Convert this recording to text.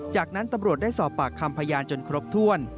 จากนั้นตำรวจได้สอบปากคำพยานจนครบถ้วน